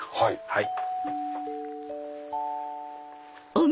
はい。